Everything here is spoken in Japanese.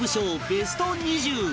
ベスト２０